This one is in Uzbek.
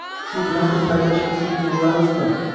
Shu bilan bir paytda, shaxsiy tuygʻulari ustun.